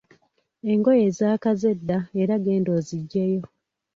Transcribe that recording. Engoye zaakaze dda era genda oziggyeyo.